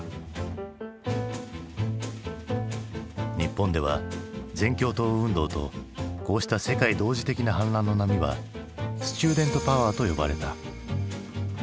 日本では全共闘運動とこうした世界同時的な反乱の波は「スチューデント・パワー」と呼ばれた。